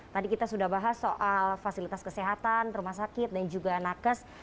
tadi kita sudah bahas soal fasilitas kesehatan rumah sakit dan juga nakes